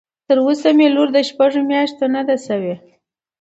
تر اوسه مې لور د شپږ مياشتو نه ده شوى.